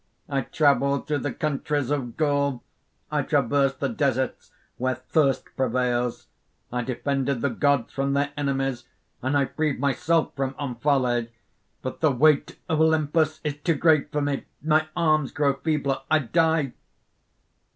I travelled through the countries of Gaul; I traversed the deserts where thirst prevails. I defended the gods from their enemies; and I freed myself from Omphale. But the weight of Olympus is too great for me. My arms grow feebler: I die!"